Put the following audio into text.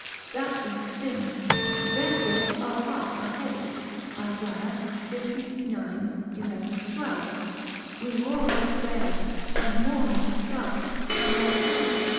That we have sinned, therefore our hearts are heavy, Isa. lix. 11, 12. We roar like bears, and mourn like doves, and want health, &c.